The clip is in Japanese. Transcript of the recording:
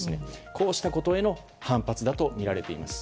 こうしたことへの反発だとみられています。